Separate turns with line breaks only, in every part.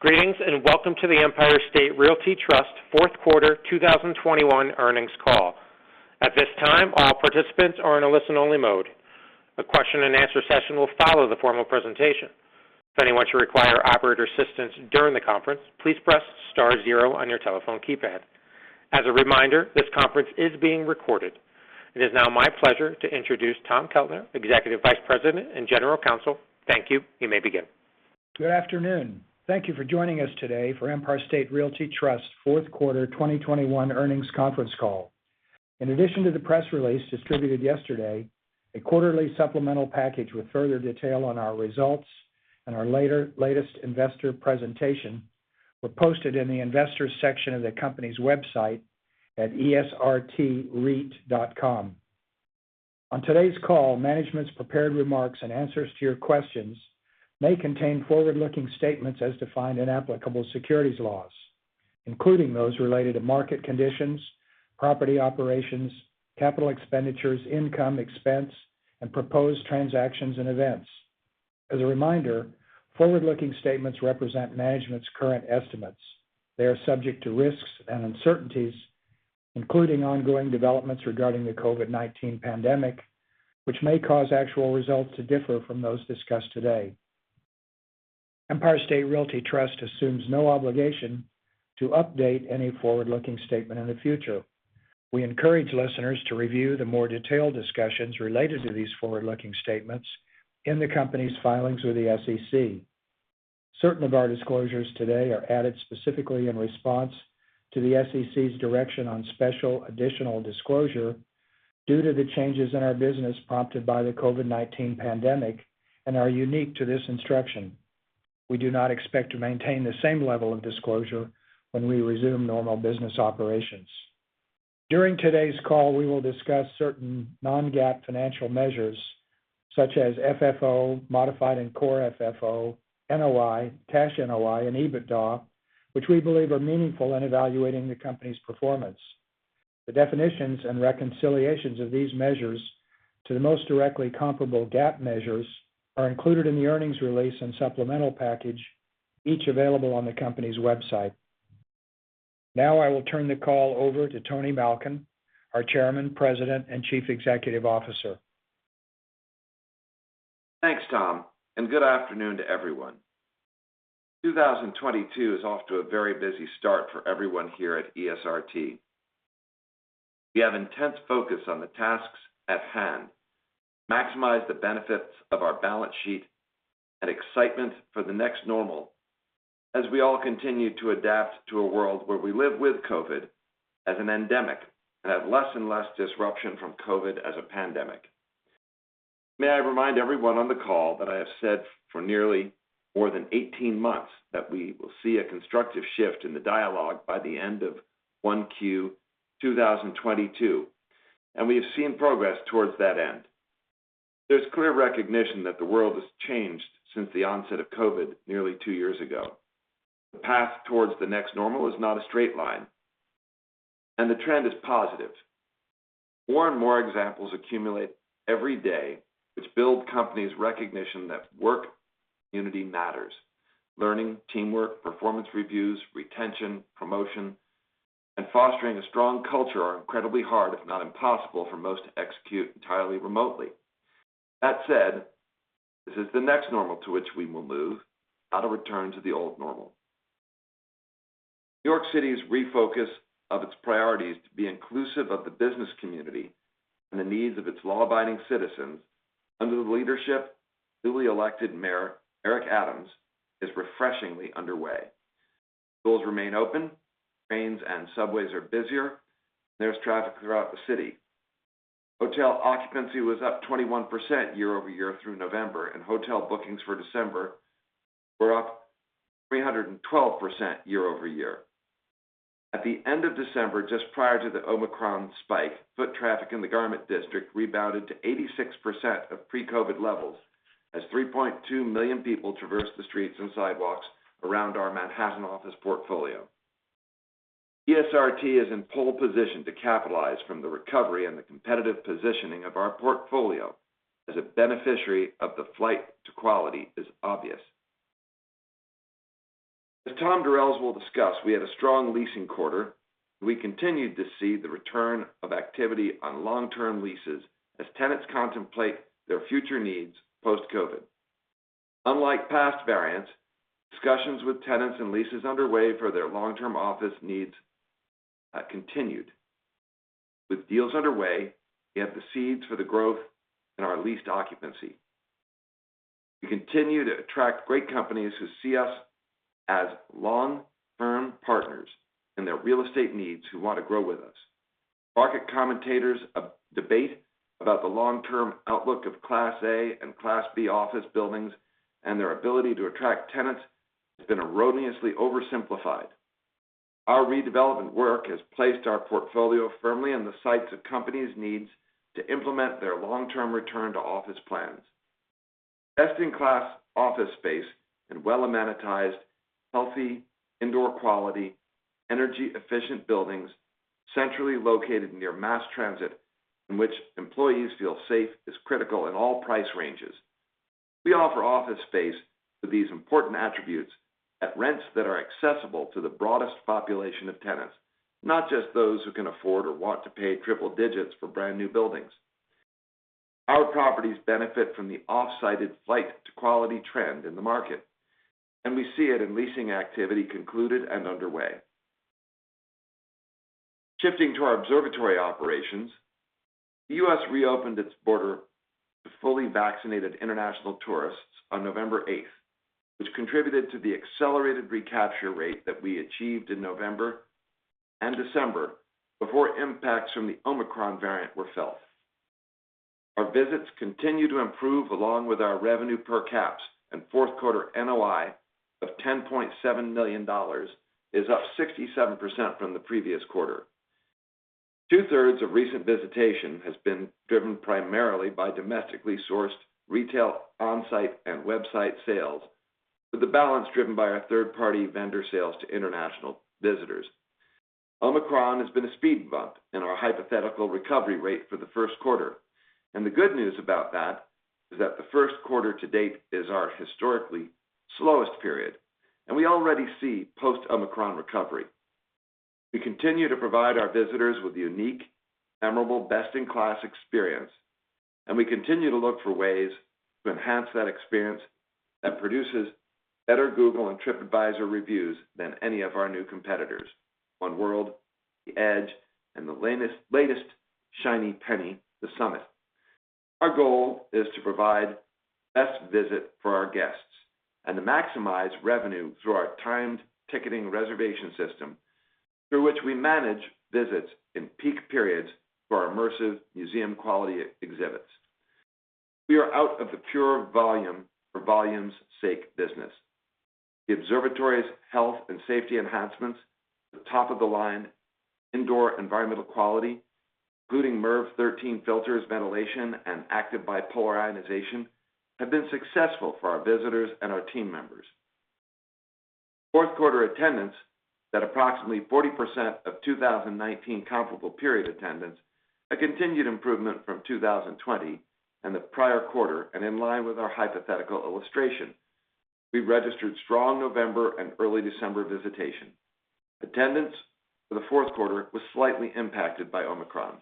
Greetings, and welcome to the Empire State Realty Trust fourth quarter 2021 earnings call. At this time, all participants are in a listen-only mode. A question-and-answer session will follow the formal presentation. If anyone should require operator assistance during the conference, please press star zero on your telephone keypad. As a reminder, this conference is being recorded. It is now my pleasure to introduce Tom Keltner, Executive Vice President and General Counsel. Thank you. You may begin.
Good afternoon. Thank you for joining us today for Empire State Realty Trust fourth quarter 2021 earnings conference call. In addition to the press release distributed yesterday, a quarterly supplemental package with further detail on our results and our latest investor presentation were posted in the investors section of the company's website at esrtreit.com. On today's call, management's prepared remarks and answers to your questions may contain forward-looking statements as defined in applicable securities laws, including those related to market conditions, property operations, capital expenditures, income, expense, and proposed transactions and events. As a reminder, forward-looking statements represent management's current estimates. They are subject to risks and uncertainties, including ongoing developments regarding the COVID-19 pandemic, which may cause actual results to differ from those discussed today. Empire State Realty Trust assumes no obligation to update any forward-looking statement in the future. We encourage listeners to review the more detailed discussions related to these forward-looking statements in the company's filings with the SEC. Certain of our disclosures today are added specifically in response to the SEC's direction on special additional disclosure due to the changes in our business prompted by the COVID-19 pandemic and are unique to this instruction. We do not expect to maintain the same level of disclosure when we resume normal business operations. During today's call, we will discuss certain non-GAAP financial measures such as FFO, modified and core FFO, NOI, cash NOI, and EBITDA, which we believe are meaningful in evaluating the company's performance. The definitions and reconciliations of these measures to the most directly comparable GAAP measures are included in the earnings release and supplemental package, each available on the company's website. Now I will turn the call over to Tony Malkin, our Chairman, President, and Chief Executive Officer.
Thanks, Tom, and good afternoon to everyone. 2022 is off to a very busy start for everyone here at ESRT. We have intense focus on the tasks at hand, maximize the benefits of our balance sheet, and excitement for the next normal as we all continue to adapt to a world where we live with COVID as an endemic and have less and less disruption from COVID as a pandemic. May I remind everyone on the call that I have said for nearly more than 18 months that we will see a constructive shift in the dialogue by the end of Q1 2022, and we have seen progress towards that end. There's clear recognition that the world has changed since the onset of COVID nearly two years ago. The path towards the next normal is not a straight line, and the trend is positive. More and more examples accumulate every day which build companies' recognition that work community matters. Learning, teamwork, performance reviews, retention, promotion, and fostering a strong culture are incredibly hard, if not impossible, for most to execute entirely remotely. That said, this is the next normal to which we will move, not a return to the old normal. New York City's refocus of its priorities to be inclusive of the business community and the needs of its law-abiding citizens under the leadership of newly elected Mayor Eric Adams is refreshingly underway. Schools remain open, trains and subways are busier, and there's traffic throughout the city. Hotel occupancy was up 21% year-over-year through November, and hotel bookings for December were up 312% year-over-year. At the end of December, just prior to the Omicron spike, foot traffic in the Garment District rebounded to 86% of pre-COVID levels as 3.2 million people traversed the streets and sidewalks around our Manhattan office portfolio. ESRT is in pole position to capitalize from the recovery and the competitive positioning of our portfolio as a beneficiary of the flight to quality is obvious. As Tom Durels will discuss, we had a strong leasing quarter. We continued to see the return of activity on long-term leases as tenants contemplate their future needs post-COVID. Unlike past variants, discussions with tenants and leases underway for their long-term office needs, continued. With deals underway, we have the seeds for the growth in our leased occupancy. We continue to attract great companies who see us as long-term partners in their real estate needs who want to grow with us. Market commentators debate about the long-term outlook of Class A and Class B office buildings and their ability to attract tenants has been erroneously oversimplified. Our redevelopment work has placed our portfolio firmly in the sights of companies' needs to implement their long-term return to office plans. Best-in-class office space and well-amenitized, healthy indoor air quality, energy-efficient buildings centrally located near mass transit in which employees feel safe is critical in all price ranges. We offer office space with these important attributes at rents that are accessible to the broadest population of tenants, not just those who can afford or want to pay triple digits for brand-new buildings. Our properties benefit from the oft-cited flight to quality trend in the market, and we see it in leasing activity concluded and underway. Shifting to our observatory operations, the U.S. reopened its border to fully vaccinated international tourists on November 8, which contributed to the accelerated recapture rate that we achieved in November and December before impacts from the Omicron variant were felt. Our visits continue to improve along with our revenue per cap and fourth quarter NOI of $10.7 million is up 67% from the previous quarter. Two-thirds of recent visitation has been driven primarily by domestically sourced retail on-site and website sales, with the balance driven by our third-party vendor sales to international visitors. Omicron has been a speed bump in our hypothetical recovery rate for the first quarter, and the good news about that is that the first quarter to date is our historically slowest period, and we already see post-Omicron recovery. We continue to provide our visitors with a unique, memorable, best-in-class experience, and we continue to look for ways to enhance that experience that produces better Google and Tripadvisor reviews than any of our new competitors, One World, The Edge, and the latest shiny penny, The Summit. Our goal is to provide the best visit for our guests and to maximize revenue through our timed ticketing reservation system, through which we manage visits in peak periods for our immersive museum-quality exhibits. We are out of the pure volume for volume's sake business. The observatory's health and safety enhancements, the top-of-the-line indoor environmental quality, including MERV 13 filters, ventilation, and active bipolar ionization, have been successful for our visitors and our team members. Fourth quarter attendance at approximately 40% of 2019 comparable period attendance, a continued improvement from 2020 and the prior quarter, and in line with our hypothetical illustration. We registered strong November and early December visitation. Attendance for the fourth quarter was slightly impacted by Omicron.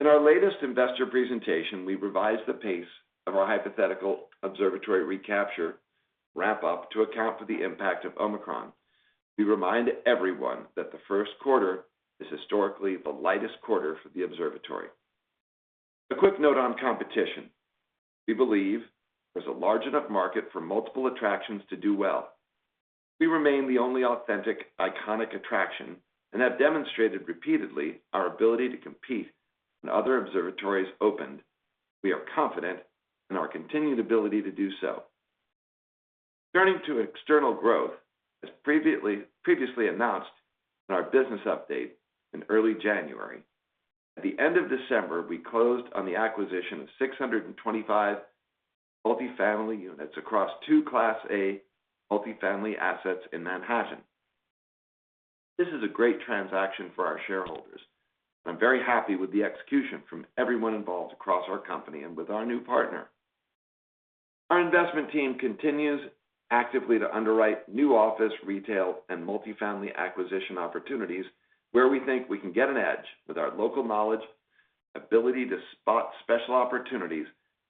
In our latest investor presentation, we revised the pace of our hypothetical observatory recapture wrap-up to account for the impact of Omicron. We remind everyone that the first quarter is historically the lightest quarter for the observatory. A quick note on competition. We believe there's a large enough market for multiple attractions to do well. We remain the only authentic, iconic attraction and have demonstrated repeatedly our ability to compete when other observatories opened. We are confident in our continued ability to do so. Turning to external growth, as previously announced in our business update in early January, at the end of December, we closed on the acquisition of 625 multifamily units across two Class A multifamily assets in Manhattan. This is a great transaction for our shareholders. I'm very happy with the execution from everyone involved across our company and with our new partner. Our investment team continues actively to underwrite new office, retail, and multifamily acquisition opportunities where we think we can get an edge with our local knowledge, ability to spot special opportunities,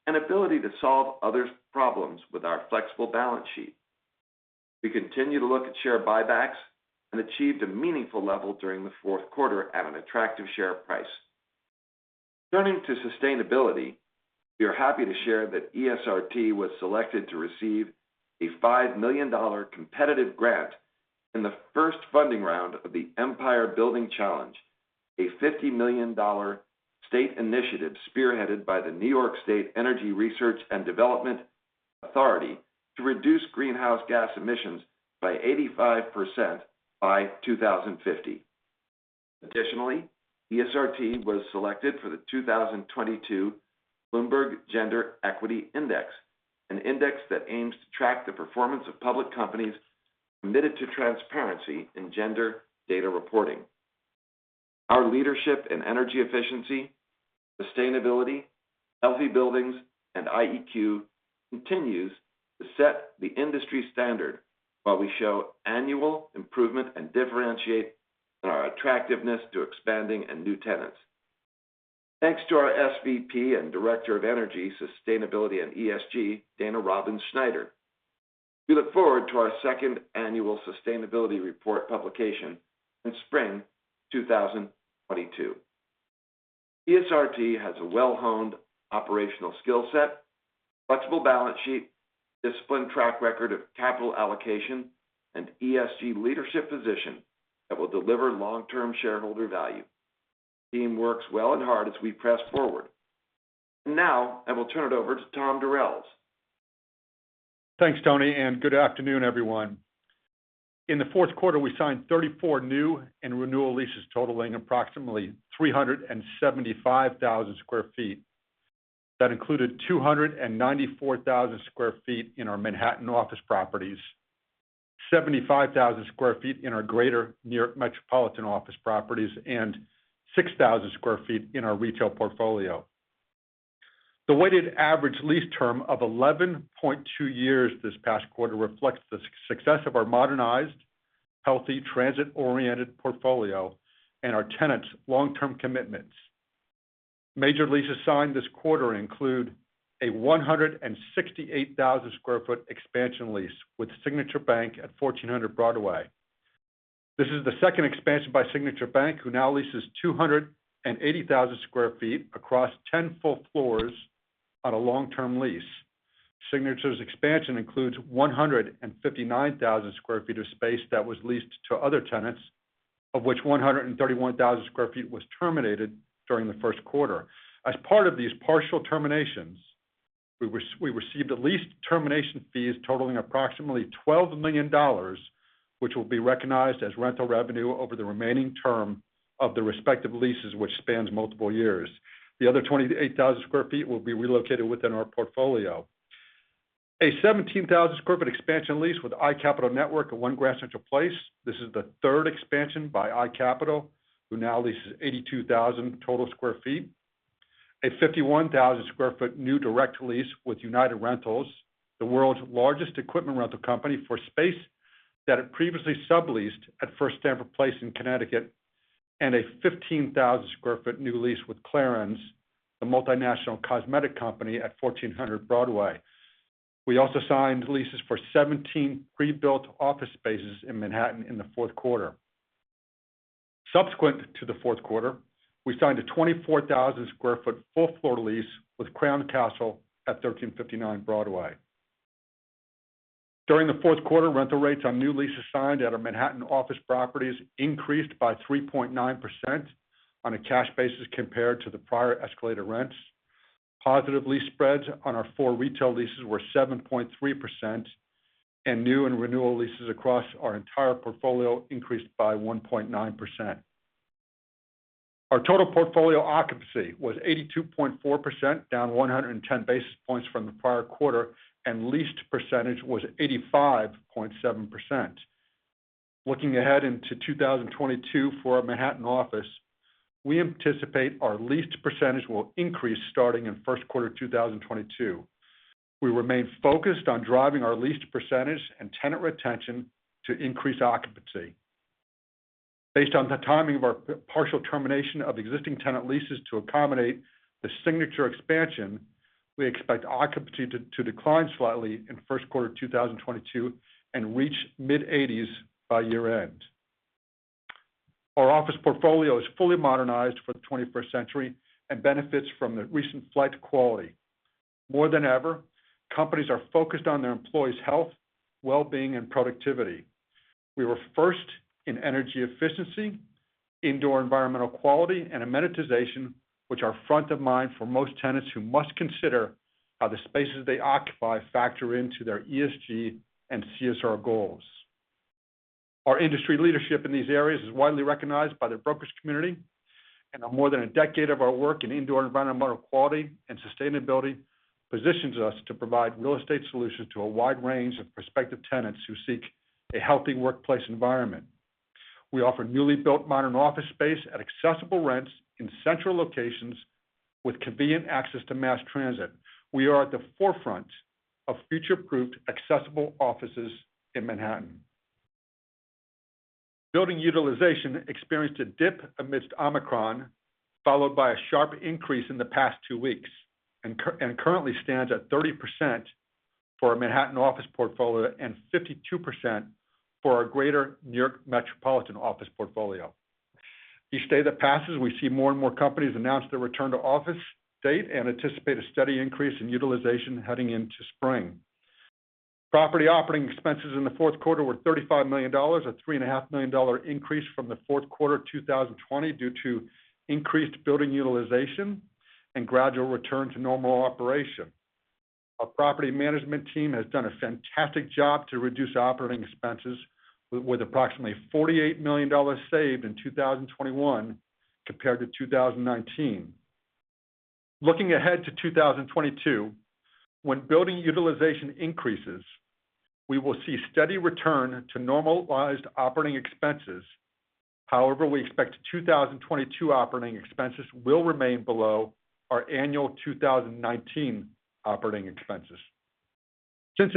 and ability to solve others' problems with our flexible balance sheet. We continue to look at share buybacks and achieved a meaningful level during the fourth quarter at an attractive share price. Turning to sustainability, we are happy to share that ESRT was selected to receive a $5 million competitive grant in the first funding round of the Empire Building Challenge, a $50 million state initiative spearheaded by the New York State Energy Research and Development Authority to reduce greenhouse gas emissions by 85% by 2050. Additionally, ESRT was selected for the 2022 Bloomberg Gender-Equality Index, an index that aims to track the performance of public companies committed to transparency in gender data reporting. Our leadership in energy efficiency, sustainability, healthy buildings, and IEQ continues to set the industry standard while we show annual improvement and differentiate our attractiveness to expanding and new tenants. Thanks to our SVP and Director of Energy, Sustainability, and ESG, Dana Robbins Schneider. We look forward to our second annual sustainability report publication in spring 2022. ESRT has a well-honed operational skill set, flexible balance sheet, disciplined track record of capital allocation, and ESG leadership position that will deliver long-term shareholder value. Team works well and hard as we press forward. Now I will turn it over to Tom Durels.
Thanks, Tony, and good afternoon, everyone. In the fourth quarter, we signed 34 new and renewal leases totaling approximately 375,000 sq ft. That included 294,000 sq ft in our Manhattan office properties, 75,000 sq ft in our Greater New York metropolitan office properties, and 6,000 sq ft in our retail portfolio. The weighted average lease term of 11.2 years this past quarter reflects the success of our modernized, healthy, transit oriented portfolio and our tenants long term commitments. Major leases signed this quarter include a 168,000 sq ft expansion lease with Signature Bank at 1400 Broadway. This is the second expansion by Signature Bank, who now leases 280,000 sq ft across 10 full floors on a long term lease. Signature's expansion includes 159,000 sq ft of space that was leased to other tenants, of which 131,000 sq ft was terminated during the first quarter. As part of these partial terminations, we received lease termination fees totaling approximately $12 million, which will be recognized as rental revenue over the remaining term of the respective leases, which spans multiple years. The other 28,000 sq ft will be relocated within our portfolio. A 17,000 sq ft expansion lease with iCapital Network at One Grand Central Place. This is the third expansion by iCapital, who now leases 82,000 total sq ft. A 51,000 sq ft new direct lease with United Rentals, the world's largest equipment rental company for space that it previously subleased at First Stamford Place in Connecticut, and a 15,000 sq ft new lease with Clarins, the multinational cosmetic company at 1400 Broadway. We also signed leases for 17 pre-built office spaces in Manhattan in the fourth quarter. Subsequent to the fourth quarter, we signed a 24,000 sq ft full floor lease with Crown Castle at 1359 Broadway. During the fourth quarter, rental rates on new leases signed at our Manhattan office properties increased by 3.9% on a cash basis compared to the prior escalated rents. Positive lease spreads on our four retail leases were 7.3%, and new and renewal leases across our entire portfolio increased by 1.9%. Our total portfolio occupancy was 82.4%, down 110 basis points from the prior quarter, and leased percentage was 85.7%. Looking ahead into 2022 for our Manhattan office, we anticipate our leased percentage will increase starting in first quarter 2022. We remain focused on driving our leased percentage and tenant retention to increase occupancy. Based on the timing of our partial termination of existing tenant leases to accommodate the Signature expansion, we expect occupancy to decline slightly in first quarter 2022 and reach mid-80s by year-end. Our office portfolio is fully modernized for the 21st century and benefits from the recent flight to quality. More than ever, companies are focused on their employees' health, well-being, and productivity. We were first in energy efficiency, indoor environmental quality, and amenitization, which are front of mind for most tenants who must consider how the spaces they occupy factor into their ESG and CSR goals. Our industry leadership in these areas is widely recognized by the broker community, and more than a decade of our work in indoor environmental quality and sustainability positions us to provide real estate solutions to a wide range of prospective tenants who seek a healthy workplace environment. We offer newly built modern office space at accessible rents in central locations with convenient access to mass transit. We are at the forefront of future-proofed accessible offices in Manhattan. Building utilization experienced a dip amidst Omicron, followed by a sharp increase in the past two weeks, and currently stands at 30% for our Manhattan office portfolio and 52% for our Greater New York metropolitan office portfolio. Each day that passes, we see more and more companies announce their return to office date and anticipate a steady increase in utilization heading into spring. Property operating expenses in the fourth quarter were $35 million, a $3.5 million increase from the fourth quarter 2020 due to increased building utilization and gradual return to normal operation. Our property management team has done a fantastic job to reduce operating expenses with approximately $48 million saved in 2021 compared to 2019. Looking ahead to 2022, when building utilization increases, we will see steady return to normalized operating expenses. However, we expect 2022 operating expenses will remain below our annual 2019 operating expenses. Since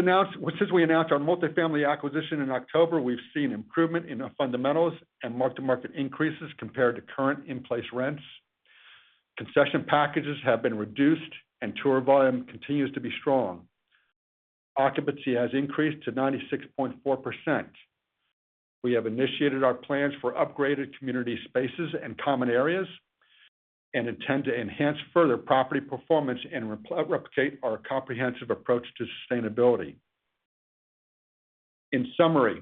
we announced our multifamily acquisition in October, we've seen improvement in our fundamentals and mark to market increases compared to current in-place rents. Concession packages have been reduced and tour volume continues to be strong. Occupancy has increased to 96.4%. We have initiated our plans for upgraded community spaces and common areas and intend to enhance further property performance and replicate our comprehensive approach to sustainability. In summary,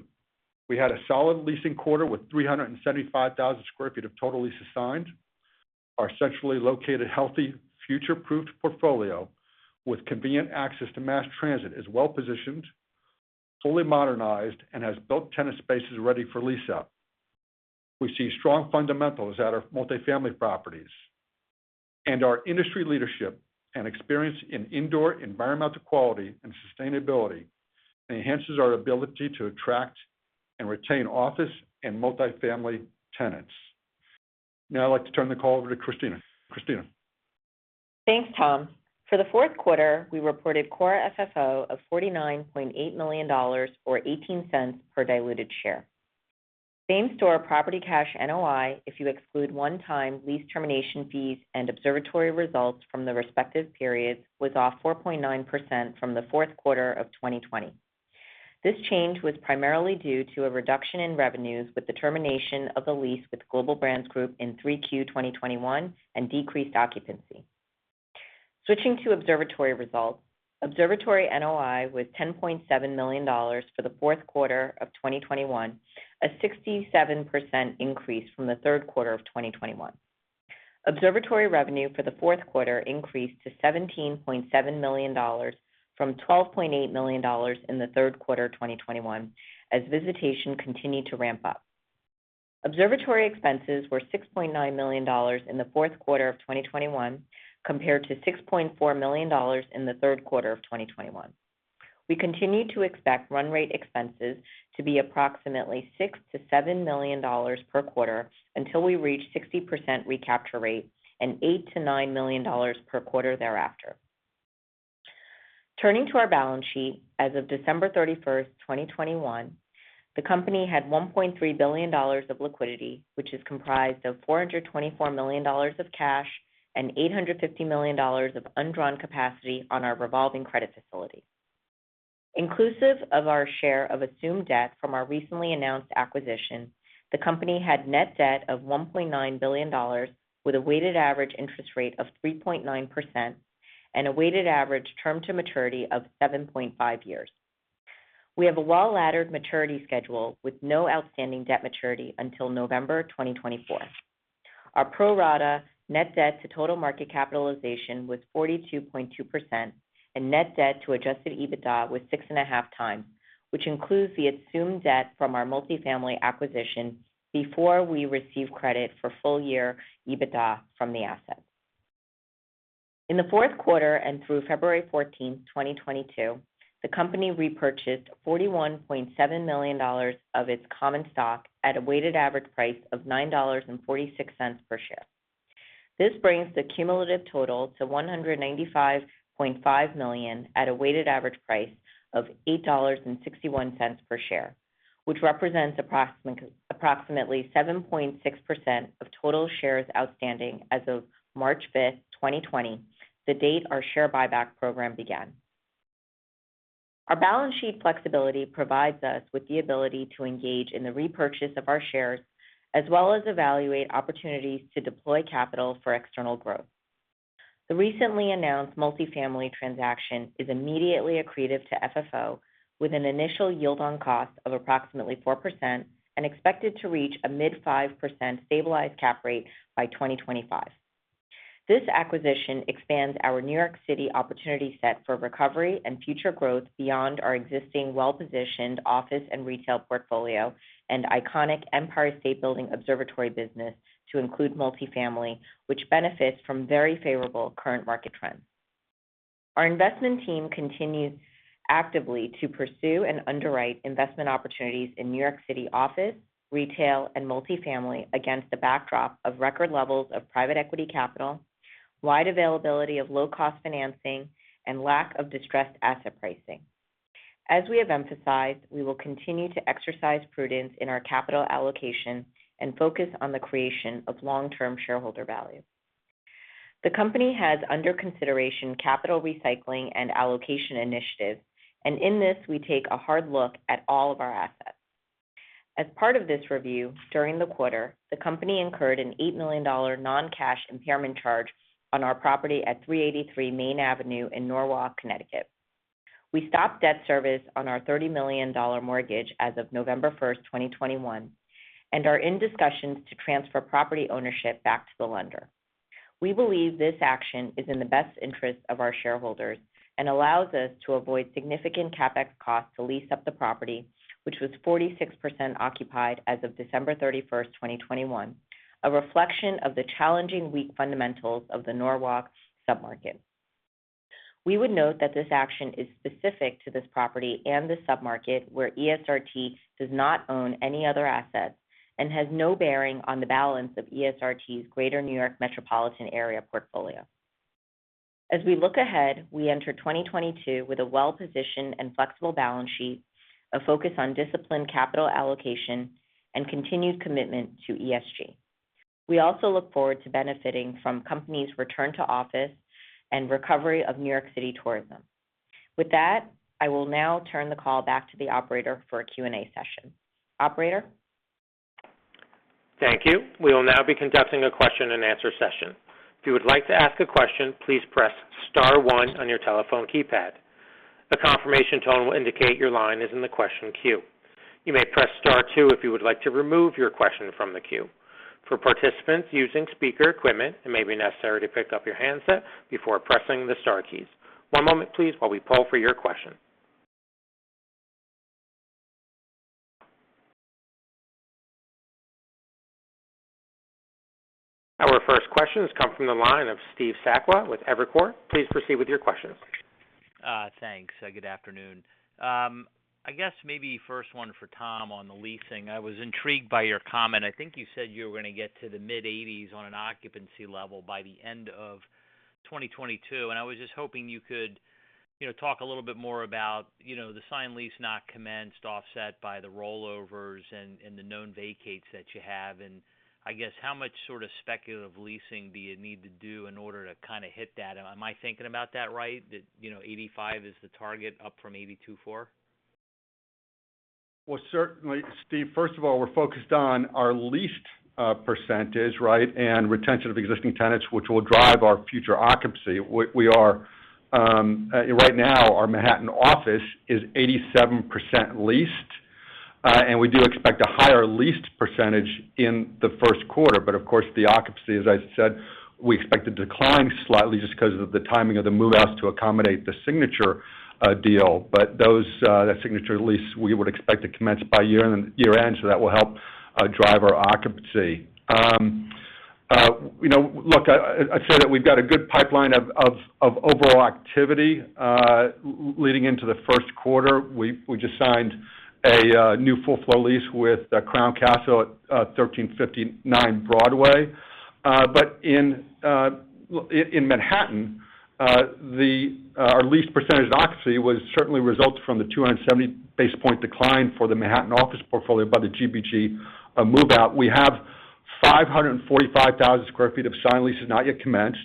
we had a solid leasing quarter with 375,000 sq ft of total leases signed. Our centrally located, healthy future-proofed portfolio with convenient access to mass transit is well positioned, fully modernized, and has built tenant spaces ready for lease-up. We see strong fundamentals at our multifamily properties. Our industry leadership and experience in indoor environmental quality and sustainability enhances our ability to attract and retain office and multifamily tenants. Now I'd like to turn the call over to Christina. Christina.
Thanks, Tom. For the fourth quarter, we reported core FFO of $49.8 million, or $0.18 per diluted share. Same-store property cash NOI, if you exclude one-time lease termination fees and observatory results from the respective periods, was off 4.9% from the fourth quarter of 2020. This change was primarily due to a reduction in revenues with the termination of the lease with Global Brands Group in 3Q 2021 and decreased occupancy. Switching to observatory results, observatory NOI was $10.7 million for the fourth quarter of 2021, a 67% increase from the third quarter of 2021. Observatory revenue for the fourth quarter increased to $17.7 million from $12.8 million in the third quarter of 2021 as visitation continued to ramp up. Observatory expenses were $6.9 million in the fourth quarter of 2021 compared to $6.4 million in the third quarter of 2021. We continue to expect run rate expenses to be approximately $6 million-$7 million per quarter until we reach 60% recapture rate and $8 million-$9 million per quarter thereafter. Turning to our balance sheet, as of December 31, 2021, the company had $1.3 billion of liquidity, which is comprised of $424 million of cash and $850 million of undrawn capacity on our revolving credit facility. Inclusive of our share of assumed debt from our recently announced acquisition, the company had net debt of $1.9 billion with a weighted average interest rate of 3.9% and a weighted average term to maturity of 7.5 years. We have a well-laddered maturity schedule with no outstanding debt maturity until November 2024. Our pro rata net debt to total market capitalization was 42.2%, and net debt to adjusted EBITDA was 6.5x, which includes the assumed debt from our multifamily acquisition before we receive credit for full year EBITDA from the assets. In the fourth quarter and through February 14, 2022, the company repurchased $41.7 million of its common stock at a weighted average price of $9.46 per share. This brings the cumulative total to $195.5 million at a weighted average price of $8.61 per share, which represents approximately 7.6% of total shares outstanding as of March 5, 2020, the date our share buyback program began. Our balance sheet flexibility provides us with the ability to engage in the repurchase of our shares as well as evaluate opportunities to deploy capital for external growth. The recently announced multifamily transaction is immediately accretive to FFO, with an initial yield on cost of approximately 4% and expected to reach a mid-5% stabilized cap rate by 2025. This acquisition expands our New York City opportunity set for recovery and future growth beyond our existing well-positioned office and retail portfolio and iconic Empire State Building Observatory business to include multifamily, which benefits from very favorable current market trends. Our investment team continues actively to pursue and underwrite investment opportunities in New York City office, retail, and multifamily against the backdrop of record levels of private equity capital, wide availability of low-cost financing, and lack of distressed asset pricing. As we have emphasized, we will continue to exercise prudence in our capital allocation and focus on the creation of long-term shareholder value. The company has under consideration capital recycling and allocation initiatives, and in this, we take a hard look at all of our assets. As part of this review, during the quarter, the company incurred an $8 million non-cash impairment charge on our property at 383 Main Avenue in Norwalk, Connecticut. We stopped debt service on our $30 million mortgage as of November 1, 2021, and are in discussions to transfer property ownership back to the lender. We believe this action is in the best interest of our shareholders and allows us to avoid significant CapEx costs to lease up the property, which was 46% occupied as of December 31, 2021, a reflection of the challenging weak fundamentals of the Norwalk submarket. We would note that this action is specific to this property and the submarket where ESRT does not own any other assets and has no bearing on the balance of ESRT's Greater New York metropolitan area portfolio. As we look ahead, we enter 2022 with a well-positioned and flexible balance sheet, a focus on disciplined capital allocation, and continued commitment to ESG. We also look forward to benefiting from companies' return to office and recovery of New York City tourism. With that, I will now turn the call back to the operator for a Q&A session. Operator?
Thank you. We will now be conducting a question and answer session. If you would like to ask a question, please press star one on your telephone keypad. A confirmation tone will indicate your line is in the question queue. You may press star two if you would like to remove your question from the queue. For participants using speaker equipment, it may be necessary to pick up your handset before pressing the star keys. One moment please while we poll for your question. Our first question has come from the line of Steve Sakwa with Evercore, please proceed with your questions.
Thanks. Good afternoon. I guess maybe first one for Tom on the leasing. I was intrigued by your comment. I think you said you were gonna get to the mid-80s% on an occupancy level by the end of 2022, and I was just hoping you could, you know, talk a little bit more about, you know, the signed lease not commenced, offset by the rollovers and the known vacates that you have, and I guess how much sort of speculative leasing do you need to do in order to kinda hit that? Am I thinking about that right? That, you know, 85% is the target up from 82.4%?
Well, certainly, Steve. First of all, we're focused on our leased percentage, right, and retention of existing tenants, which will drive our future occupancy. We are right now our Manhattan office is 87% leased, and we do expect a higher leased percentage in the first quarter. Of course, the occupancy, as I said, we expect to decline slightly just 'cause of the timing of the move outs to accommodate the Signature deal. That Signature lease we would expect to commence by year end, so that will help drive our occupancy. You know, look, I'd say that we've got a good pipeline of overall activity leading into the first quarter. We just signed a new full-floor lease with Crown Castle at 1359 Broadway. In Manhattan, our leased percentage occupancy was certainly the result of the 270 basis point decline for the Manhattan office portfolio by the GBG move out. We have 545,000 sq ft of signed leases not yet commenced.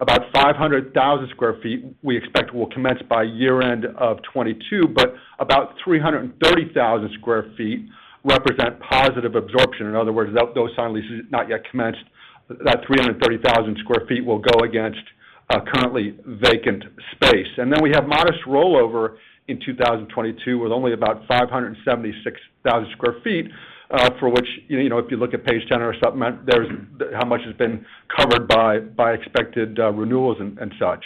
About 500,000 sq ft we expect will commence by year-end of 2022, but about 330,000 sq ft represent positive absorption. In other words, those signed leases not yet commenced, that 330,000 sq ft will go against a currently vacant space. Then we have modest rollover in 2022, with only about 576,000 sq ft, you know, if you look at page 10 of our supplement, there's how much has been covered by expected renewals and such.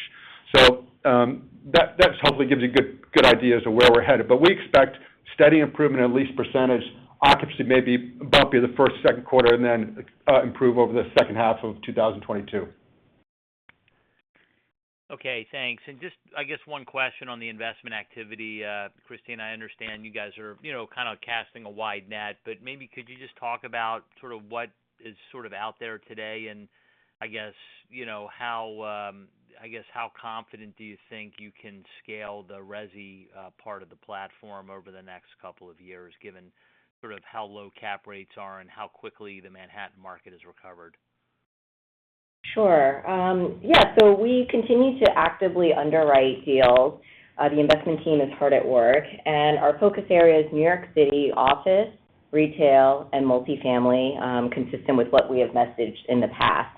That hopefully gives you good ideas of where we're headed. We expect steady improvement in leased percentage. Occupancy may be bumpy in the first, second quarter and then improve over the second half of 2022.
Okay, thanks. Just, I guess one question on the investment activity. Christina, I understand you guys are, you know, kind of casting a wide net, but maybe could you just talk about sort of what is sort of out there today? I guess, you know, how confident do you think you can scale the resi part of the platform over the next couple of years, given sort of how low cap rates are and how quickly the Manhattan market has recovered?
Sure. We continue to actively underwrite deals. The investment team is hard at work, and our focus area is New York City office, retail, and multifamily, consistent with what we have messaged in the past.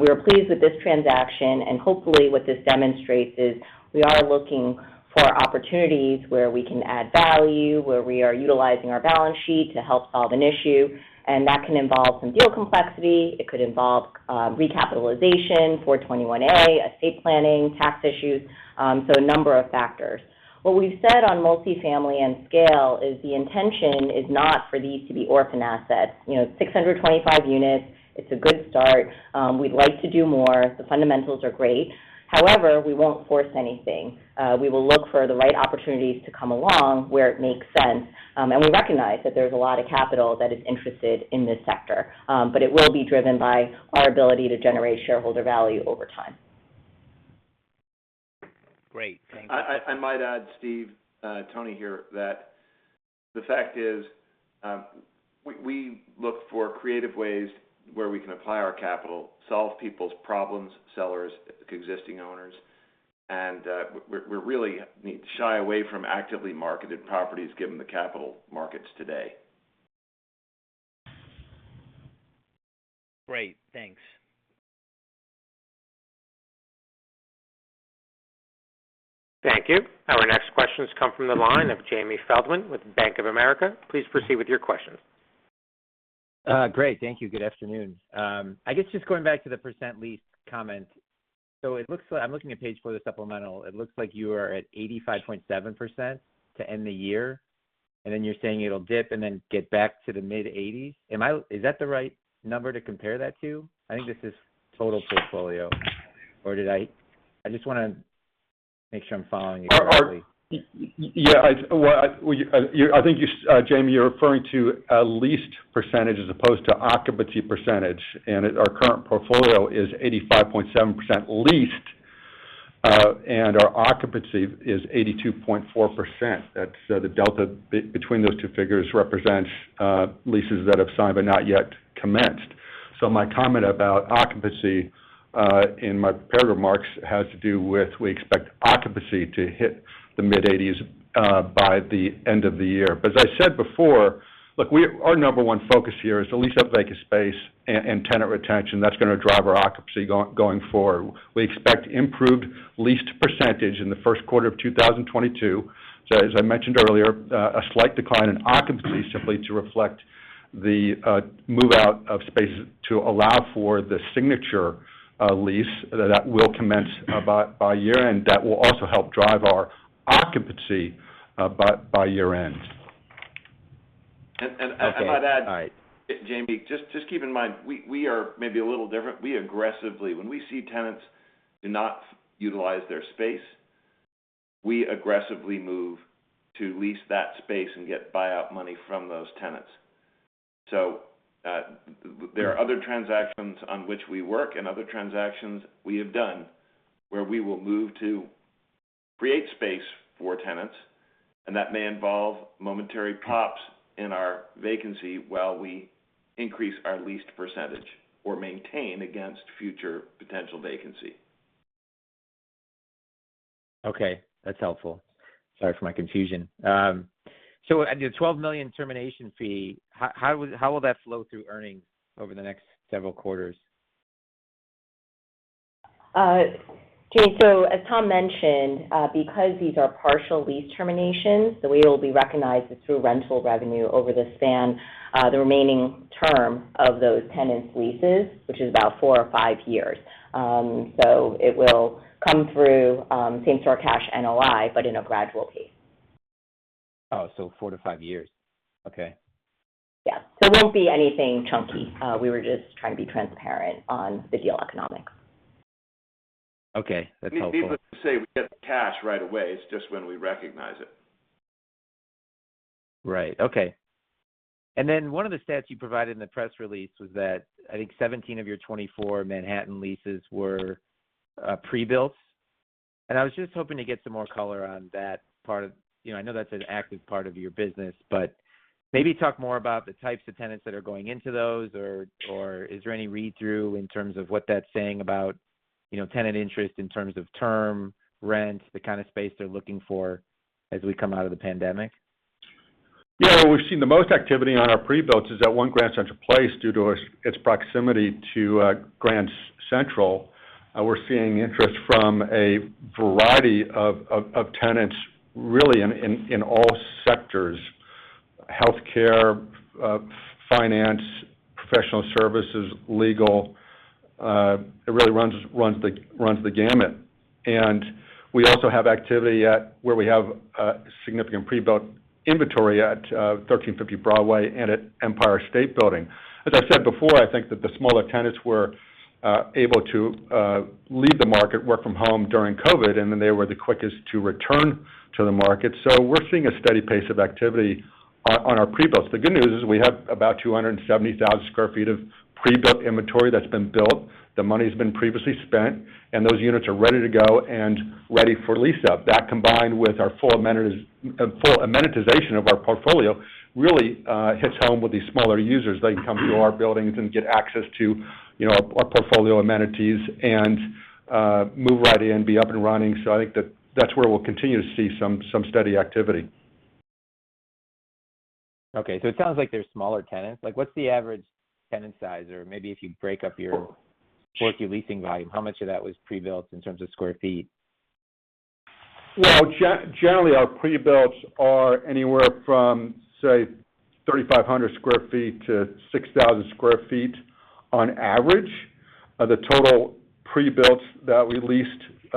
We are pleased with this transaction, and hopefully what this demonstrates is we are looking for opportunities where we can add value, where we are utilizing our balance sheet to help solve an issue. That can involve some deal complexity. It could involve recapitalization, 421-a, estate planning, tax issues, so a number of factors. What we've said on multifamily and scale is the intention is not for these to be orphan assets. You know, 625 units, it's a good start. We'd like to do more. The fundamentals are great. However, we won't force anything. We will look for the right opportunities to come along where it makes sense. We recognize that there's a lot of capital that is interested in this sector, but it will be driven by our ability to generate shareholder value over time.
Great. Thank you.
I might add, Steve, Tony here, that the fact is, we look for creative ways where we can apply our capital, solve people's problems, sellers, existing owners, and we really shy away from actively marketed properties given the capital markets today.
Great. Thanks.
Thank you. Our next question has come from the line of a. Jamie Feldman with Bank of America, please proceed with your questions.
Great. Thank you. Good afternoon. I guess just going back to the percent leased comment. It looks like I'm looking at page four of the supplemental. It looks like you are at 85.7% to end the year, and then you're saying it'll dip and then get back to the mid-80s. Is that the right number to compare that to? I think this is total portfolio. Or did I just wanna make sure I'm following you correctly.
Well, I think you, Jamie, you're referring to a leased percentage as opposed to occupancy percentage. Our current portfolio is 85.7% leased, and our occupancy is 82.4%. That's the delta between those two figures represents leases that have signed but not yet commenced. My comment about occupancy in my prepared remarks has to do with we expect occupancy to hit the mid-80s by the end of the year. As I said before, look, our number one focus here is to lease up vacant space and tenant retention. That's gonna drive our occupancy going forward. We expect improved leased percentage in the first quarter of 2022. As I mentioned earlier, a slight decline in occupancy simply to reflect the move out of space to allow for the Signature lease that will commence by year-end. That will also help drive our occupancy by year-end.
If I'd add
Okay. All right.
Jamie, just keep in mind, we are maybe a little different. When we see tenants do not utilize their space, we aggressively move to lease that space and get buyout money from those tenants. There are other transactions on which we work and other transactions we have done where we will move to create space for tenants, and that may involve momentary pops in our vacancy while we increase our leased percentage or maintain against future potential vacancy.
Okay. That's helpful. Sorry for my confusion. The $12 million termination fee, how will that flow through earnings over the next several quarters?
Jamie, as Tom mentioned, because these are partial lease terminations, the way it will be recognized is through rental revenue over the span, the remaining term of those tenants' leases, which is about four or five years. It will come through same-store cash NOI, but in a gradual pace.
Oh, four - five years. Okay.
Yeah. There won't be anything chunky. We were just trying to be transparent on the deal economics.
Okay. That's helpful.
People say we get the cash right away. It's just when we recognize it.
Right. Okay. One of the stats you provided in the press release was that I think 17 of your 24 Manhattan leases were pre-builts. I was just hoping to get some more color on that part of. You know, I know that's an active part of your business, but maybe talk more about the types of tenants that are going into those, or is there any read-through in terms of what that's saying about, you know, tenant interest in terms of term, rent, the kind of space they're looking for as we come out of the pandemic?
Yeah. We've seen the most activity on our pre-builts is at One Grand Central Place due to its proximity to Grand Central. We're seeing interest from a variety of tenants really in all sectors: healthcare, finance, professional services, legal. It really runs the gamut. We also have activity where we have significant pre-built inventory at 1350 Broadway and at Empire State Building. As I said before, I think that the smaller tenants were able to leave the market, work from home during COVID, and then they were the quickest to return to the market. We're seeing a steady pace of activity on our pre-builts. The good news is we have about 270,000 sq ft of pre-built inventory that's been built. The money's been previously spent, and those units are ready to go and ready for lease up. That combined with our full amenitization of our portfolio really hits home with these smaller users. They can come to our buildings and get access to, you know, our portfolio amenities and move right in, be up and running. I think that that's where we'll continue to see some steady activity.
Okay. It sounds like they're smaller tenants. Like, what's the average tenant size? Or maybe if you break your leasing volume, how much of that was pre-built in terms of square feet?
Well, generally, our pre-builts are anywhere from, say, 3,500 sq ft to 6,000 sq ft on average. The total pre-builts that we leased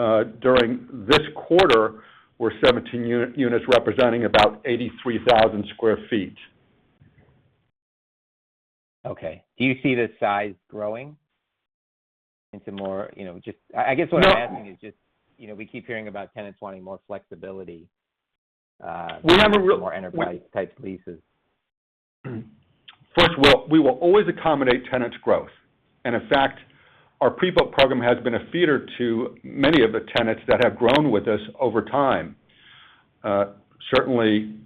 during this quarter were 17 units representing about 83,000 sq ft.
Okay. Do you see the size growing into more, you know, just I guess what I'm asking is just, you know, we keep hearing about tenants wanting more flexibility?
We have a re-
more enterprise-type leases.
First, we will always accommodate tenants' growth. In fact, our pre-built program has been a feeder to many of the tenants that have grown with us over time. Certainly,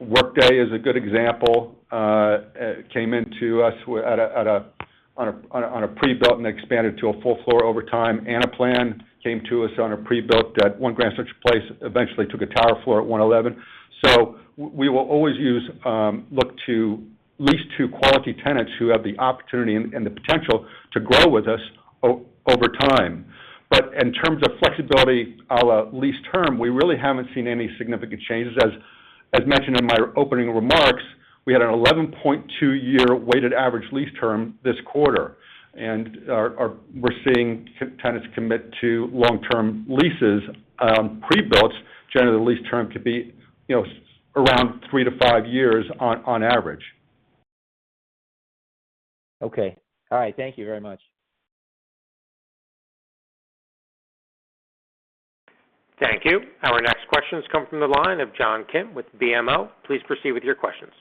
Workday is a good example, came into us on a pre-built and expanded to a full floor over time. Anaplan came to us on a pre-built at One Grand Central Place, eventually took a tower floor at 111. We will always use, look to lease to quality tenants who have the opportunity and the potential to grow with us over time. In terms of flexibility, our lease term, we really haven't seen any significant changes. As mentioned in my opening remarks, we had an 11.2-year weighted average lease term this quarter, and we're seeing tenants commit to long-term leases. Pre-builts, generally the lease term could be around three to five years on average.
Okay. All right. Thank you very much.
Thank you. Our next questions come from the line of John Kim with BMO, proceed with your questions.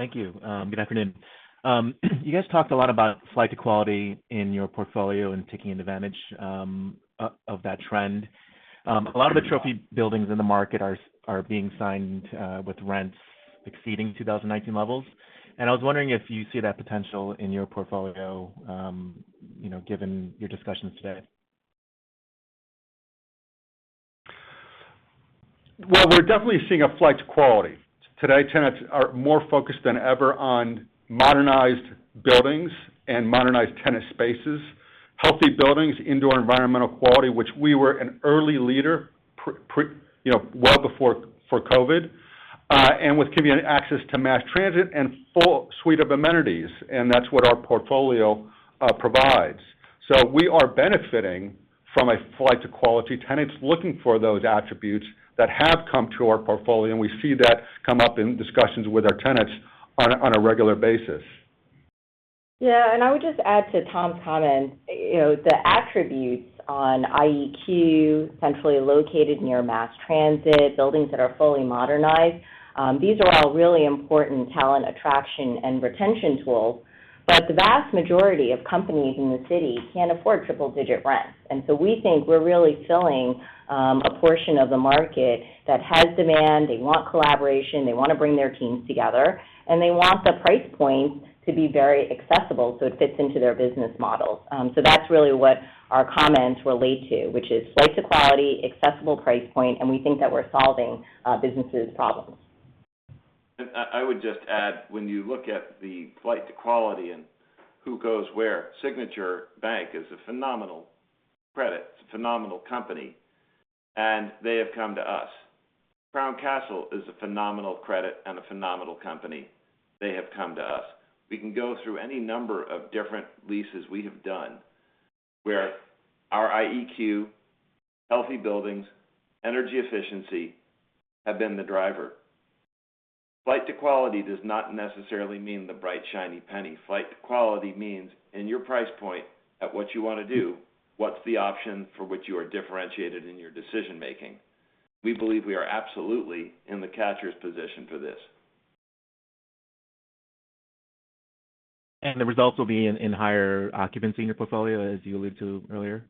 Thank you. Good afternoon. You guys talked a lot about flight to quality in your portfolio and taking advantage of that trend. A lot of the trophy buildings in the market are being signed with rents exceeding 2019 levels, and I was wondering if you see that potential in your portfolio, you know, given your discussions today.
Well, we're definitely seeing a flight to quality. Today, tenants are more focused than ever on modernized buildings and modernized tenant spaces. Healthy buildings, indoor environmental quality, which we were an early leader you know, well before COVID, and with community access to mass transit and full suite of amenities, and that's what our portfolio provides. We are benefiting from a flight to quality, tenants looking for those attributes that have come to our portfolio, and we see that come up in discussions with our tenants on a regular basis.
Yeah, I would just add to Tom's comment, you know, the attributes on IEQ, centrally located near mass transit, buildings that are fully modernized, these are all really important talent attraction and retention tools. But the vast majority of companies in the city can't afford triple-digit rents. We think we're really filling a portion of the market that has demand. They want collaboration. They wanna bring their teams together, and they want the price point to be very accessible, so it fits into their business model. That's really what our comments relate to, which is flight to quality, accessible price point, and we think that we're solving businesses' problems.
I would just add, when you look at the flight to quality and who goes where, Signature Bank is a phenomenal credit. It's a phenomenal company, and they have come to us. Crown Castle is a phenomenal credit and a phenomenal company. They have come to us. We can go through any number of different leases we have done, where our IEQ, healthy buildings, energy efficiency have been the driver. Flight to quality does not necessarily mean the bright, shiny penny. Flight to quality means in your price point at what you wanna do, what's the option for which you are differentiated in your decision-making? We believe we are absolutely in the catcher's position for this.
The results will be in higher occupancy in your portfolio, as you alluded to earlier?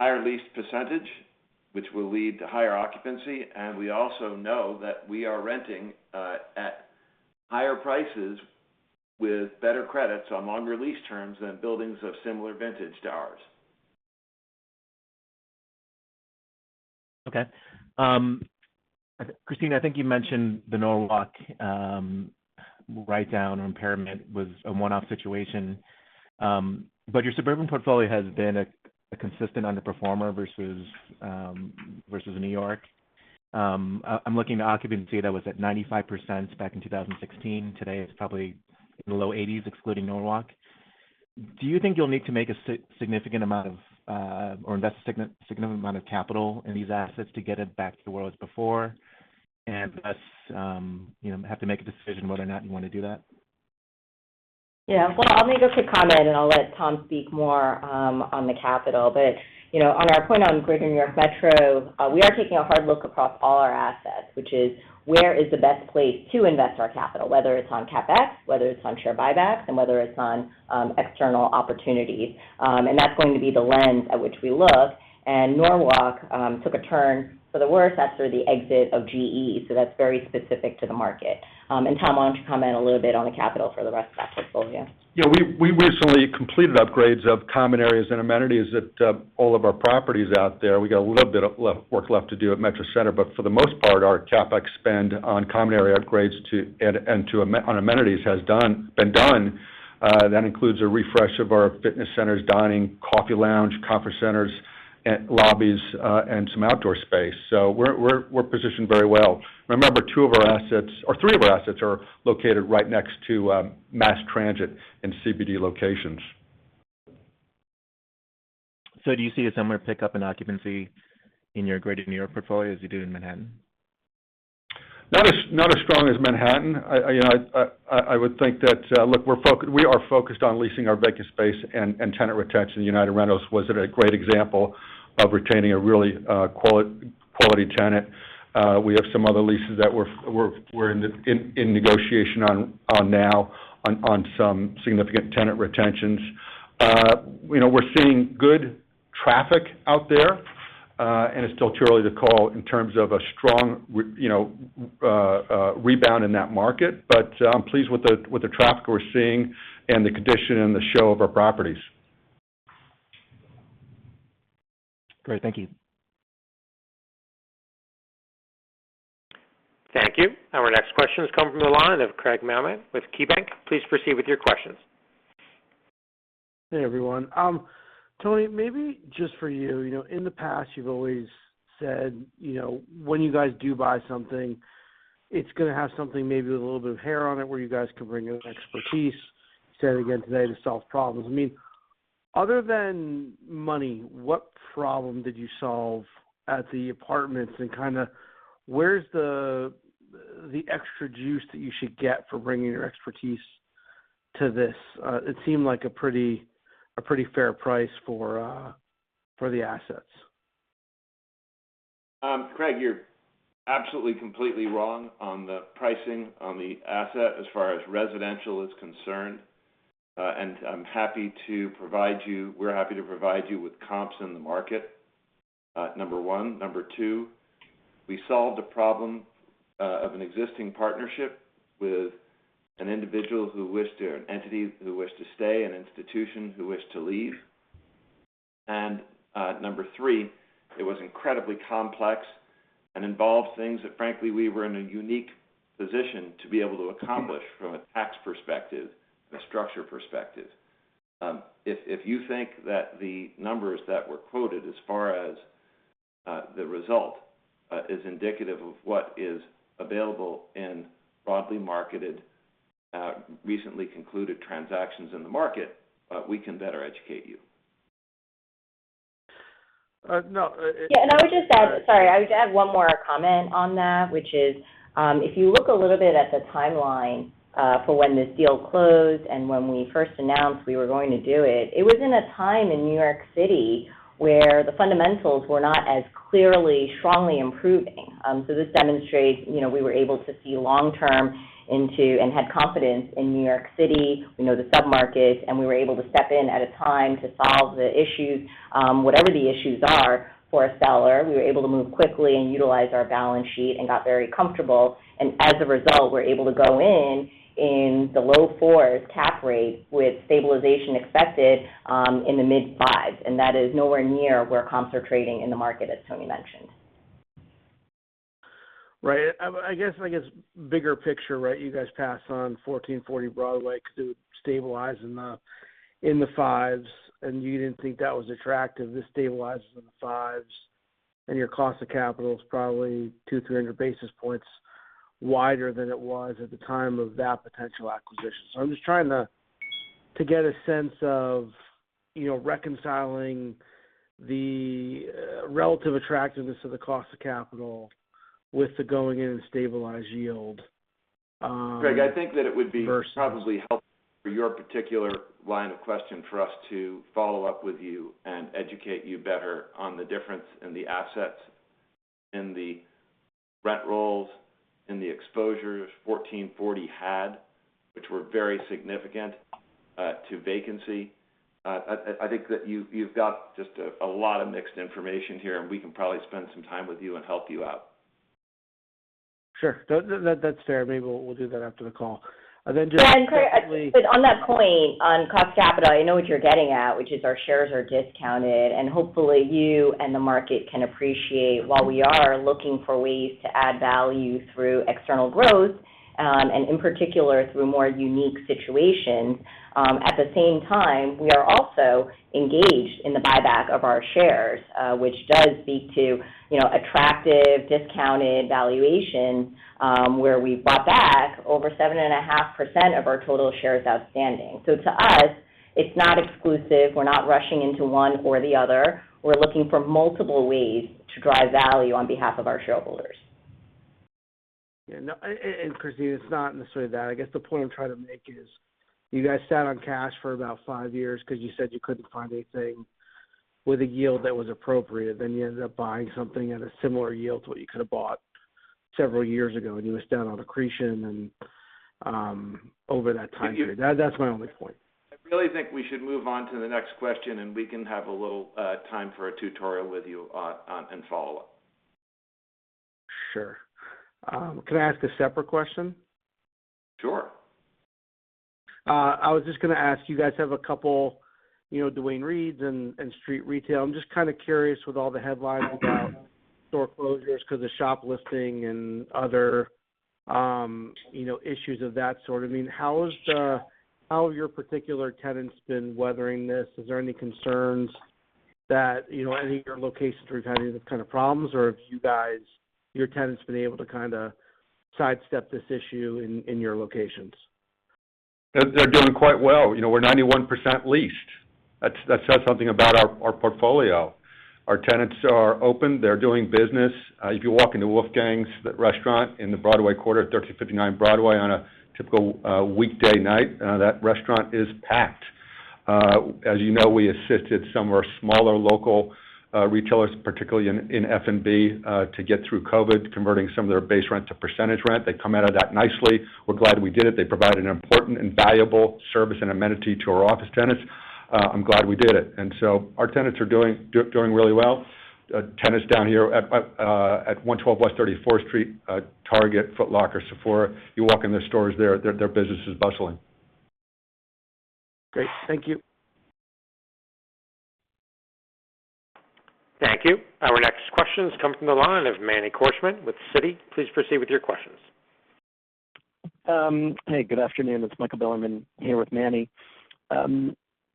Higher lease percentage, which will lead to higher occupancy, and we also know that we are renting at higher prices with better credits on longer lease terms than buildings of similar vintage to ours.
Christina, I think you mentioned the Norwalk write-down or impairment was a one-off situation. Your suburban portfolio has been a consistent underperformer versus New York. I'm looking at occupancy that was at 95% back in 2016. Today, it's probably in the low 80s, excluding Norwalk. Do you think you'll need to make a significant amount of, or invest a significant amount of capital in these assets to get it back to where it was before? Thus, you know, have to make a decision whether or not you wanna do that?
Well, I'll make a quick comment, and I'll let Tom speak more on the capital. You know, on our point on Greater New York Metro, we are taking a hard look across all our assets, which is where is the best place to invest our capital, whether it's on CapEx, whether it's on share buybacks, and whether it's on external opportunities. That's going to be the lens at which we look. Norwalk took a turn for the worse after the exit of GE, so that's very specific to the market. Tom, why don't you comment a little bit on the capital for the rest of that portfolio?
Yeah. We recently completed upgrades of common areas and amenities at all of our properties out there. We got a little bit of work left to do at Metro Center, but for the most part, our CapEx spend on common area upgrades and on amenities has been done. That includes a refresh of our fitness centers, dining, coffee lounge, conference centers, lobbies, and some outdoor space, so we're positioned very well. Remember, two of our assets, or three of our assets are located right next to mass transit and CBD locations.
Do you see a similar pickup in occupancy in your greater New York portfolio as you do in Manhattan?
Not as strong as Manhattan. You know, I would think that, look, we are focused on leasing our vacant space and tenant retention. United Rentals was a great example of retaining a really quality tenant. We have some other leases that we're in negotiation on now on some significant tenant retentions. You know, we're seeing good traffic out there, and it's still too early to call in terms of a strong rebound in that market. I'm pleased with the traffic we're seeing and the condition and the shape of our properties.
Great. Thank you.
Thank you. Our next question is coming from the line of Craig Mailman with KeyBanc, please proceed with your questions.
Hey, everyone. Tony, maybe just for you know, in the past, you've always said, you know, when you guys do buy something, it's gonna have something maybe with a little bit of hair on it, where you guys can bring in expertise, said it again today, to solve problems. I mean, other than money, what problem did you solve at the apartments and kinda where's the extra juice that you should get for bringing your expertise to this? It seemed like a pretty fair price for the assets.
Craig, you're absolutely completely wrong on the pricing on the asset as far as residential is concerned. We're happy to provide you with comps in the market, number one. Number two, we solved a problem of an existing partnership with an entity who wished to stay, an institution who wished to leave. Number three, it was incredibly complex and involved things that frankly, we were in a unique position to be able to accomplish from a tax perspective, a structure perspective. If you think that the numbers that were quoted as far as the result is indicative of what is available and broadly marketed, recently concluded transactions in the market, we can better educate you.
No.
I would add one more comment on that, which is, if you look a little bit at the timeline for when this deal closed and when we first announced we were going to do it was in a time in New York City where the fundamentals were not as clearly strongly improving. This demonstrates, you know, we were able to see long-term into, and had confidence in New York City, we know the sub-market, and we were able to step in at a time to solve the issues, whatever the issues are for a seller. We were able to move quickly and utilize our balance sheet and got very comfortable. As a result, we're able to go in in the low 4s cap rate with stabilization expected in the mid-5s. That is nowhere near where comps are trading in the market, as Tony mentioned.
Right. I guess, bigger picture, right? You guys passed on 1400 Broadway 'cause it would stabilize in the fives, and you didn't think that was attractive. This stabilizes in the fives and your cost of capital is probably 200-300 basis points wider than it was at the time of that potential acquisition. I'm just trying to get a sense of, you know, reconciling the relative attractiveness of the cost of capital with the going in and stabilized yield.
Greg, I think that it would be.
Versus-
Probably helpful for your particular line of questioning for us to follow up with you and educate you better on the difference in the assets, in the rent rolls, in the exposures 1400 had, which were very significant to vacancy. I think that you've got just a lot of mixed information here, and we can probably spend some time with you and help you out.
Sure. That's fair. Maybe we'll do that after the call. Just quickly.
Yeah. Craig, on that point on cost of capital, I know what you're getting at, which is our shares are discounted, and hopefully you and the market can appreciate while we are looking for ways to add value through external growth, and in particular through more unique situations. At the same time, we are also engaged in the buyback of our shares, which does speak to, you know, attractive, discounted valuation, where we bought back over 7.5% of our total shares outstanding. To us, it's not exclusive. We're not rushing into one or the other. We're looking for multiple ways to drive value on behalf of our shareholders.
Yeah. No, and Christina, it's not necessarily that. I guess the point I'm trying to make is you guys sat on cash for about five years 'cause you said you couldn't find anything with a yield that was appropriate. You ended up buying something at a similar yield to what you could have bought several years ago, and you missed out on accretion and over that time period. That's my only point.
I really think we should move on to the next question, and we can have a little time for a tutorial with you on and follow up.
Sure. Can I ask a separate question?
Sure.
I was just gonna ask, you guys have a couple, you know, Duane Reade and street retail. I'm just kinda curious with all the headlines about store closures 'cause of shoplifting and other, you know, issues of that sort. I mean, how have your particular tenants been weathering this? Is there any concerns that, you know, any of your locations were having any kind of problems, or if you guys, your tenants been able to kinda sidestep this issue in your locations?
They're doing quite well. You know, we're 91% leased. That says something about our portfolio. Our tenants are open. They're doing business. If you walk into Wolfgang's Steakhouse, that restaurant in the Broadway Quarter at 1359 Broadway on a typical weekday night, that restaurant is packed. As you know, we assisted some of our smaller local retailers, particularly in F&B, to get through COVID, converting some of their base rent to percentage rent. They come out of that nicely. We're glad we did it. They provide an important and valuable service and amenity to our office tenants. I'm glad we did it. Our tenants are doing really well. Tenants down here at 112 West 34th Street, Target, Foot Locker, Sephora, you walk in their stores, their business is bustling.
Great. Thank you.
Thank you. Our next question comes from the line of Manny Korchman with Citi, please proceed with your questions.
Hey, good afternoon. It's Michael Bilerman here with Manny.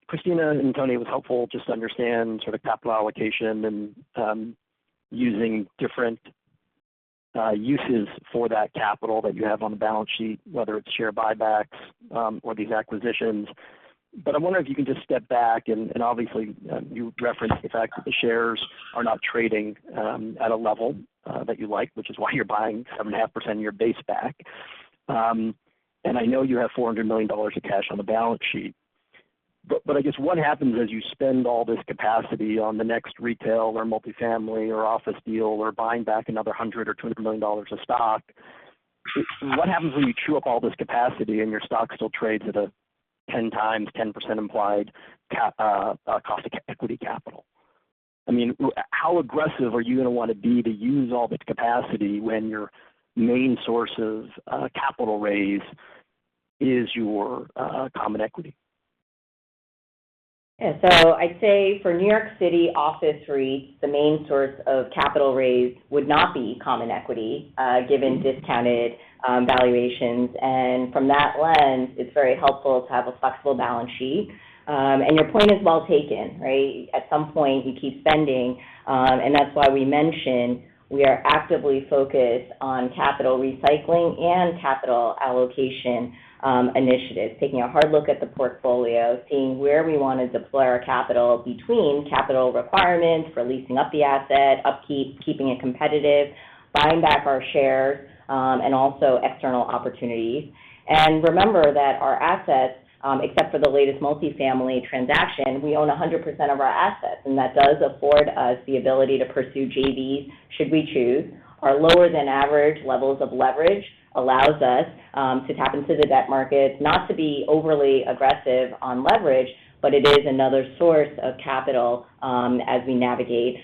Christina and Tony, it was helpful just to understand sort of capital allocation and using different uses for that capital that you have on the balance sheet, whether it's share buybacks or these acquisitions. I wonder if you can just step back and obviously you referenced the fact that the shares are not trading at a level that you like, which is why you're buying back 7.5% of your base. I know you have $400 million of cash on the balance sheet. I guess what happens as you spend all this capacity on the next retail or multifamily or office deal, or buying back another $100 million or $200 million of stock. What happens when you chew up all this capacity and your stock still trades at a 10x, 10% implied cost of equity capital? I mean, how aggressive are you gonna wanna be to use all this capacity when your main source of capital raise is your common equity?
Yeah. I'd say for New York City office REITs, the main source of capital raised would not be common equity, given discounted valuations. From that lens, it's very helpful to have a flexible balance sheet. Your point is well taken, right? At some point, you keep spending, and that's why we mentioned we are actively focused on capital recycling and capital allocation initiatives, taking a hard look at the portfolio, seeing where we wanna deploy our capital between capital requirements for leasing up the asset, upkeep, keeping it competitive, buying back our shares, and also external opportunities. Remember that our assets, except for the latest multifamily transaction, we own 100% of our assets, and that does afford us the ability to pursue JVs should we choose. Our lower than average levels of leverage allows us to tap into the debt market, not to be overly aggressive on leverage, but it is another source of capital as we navigate.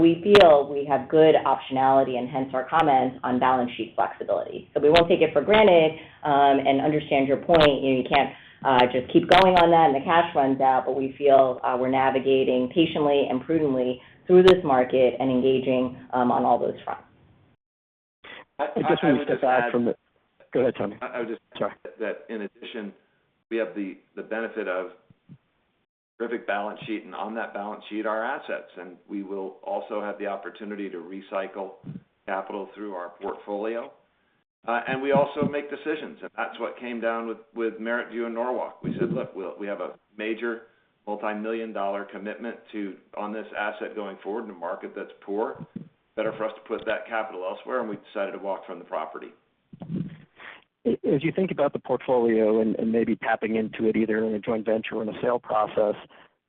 We feel we have good optionality and hence our comments on balance sheet flexibility. We won't take it for granted and understand your point. You know, you can't just keep going on that and the cash runs out, but we feel we're navigating patiently and prudently through this market and engaging on all those fronts.
I just wanted to add from the If I could just add.
Go ahead, Tony.
I-I was just-
Sorry.
That in addition, we have the benefit of terrific balance sheet and on that balance sheet, our assets. We will also have the opportunity to recycle capital through our portfolio. We also make decisions, and that's what came down to with MerrittView and Norwalk. We said, "Look, we have a major multi-million-dollar commitment on this asset going forward in a market that's poor. Better for us to put that capital elsewhere," and we decided to walk from the property.
As you think about the portfolio and maybe tapping into it either in a joint venture or in a sale process,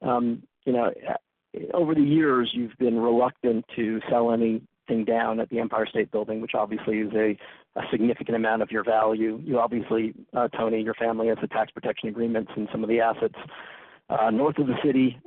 you know, over the years, you've been reluctant to sell anything down at the Empire State Building, which obviously is a significant amount of your value. You obviously, Tony, your family has the tax protection agreements in some of the assets north of the city.